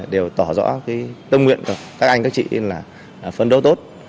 đều tỏ rõ tâm nguyện của các anh các chị là phấn đấu tốt